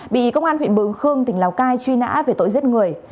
bị công an huyện mường khương tỉnh lào cai truy nã về tội giết người